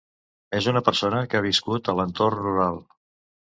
És una persona que ha viscut a l'entorn rural.